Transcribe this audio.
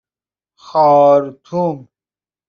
خارطوم